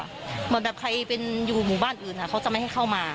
เหมือนแบบใครเป็นอยู่หมู่บ้านอื่นเขาจะไม่ให้เข้ามา